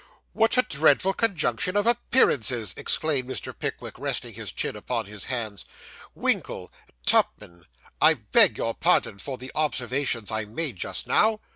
'What a dreadful conjunction of appearances!' exclaimed Mr. Pickwick, resting his chin upon his hands. 'Winkle Tupman I beg your pardon for the observations I made just now.